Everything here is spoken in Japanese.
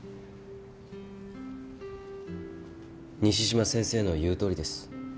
西島先生の言うとおりです。